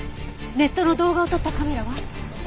ネットの動画を撮ったカメラは？